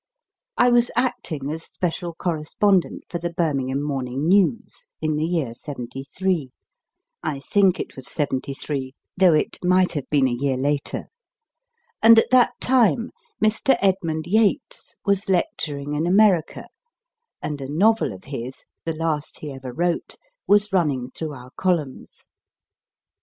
I was acting as special correspondent for the Birmingham Morning News in the year 73 I think it was 73, though it might have been a year later and at that time Mr. Edmund Yates was lecturing in America, and a novel of his, the last he ever wrote, was running through our columns.